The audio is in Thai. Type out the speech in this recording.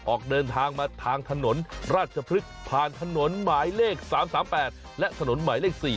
ออกเดินทางมาทางถนนราชพฤกษ์ผ่านถนนหมายเลข๓๓๘และถนนหมายเลข๔